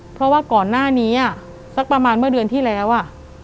เพราะว่าก่อนหน้านี้สักประมาณเมื่อเดือนที่แล้ว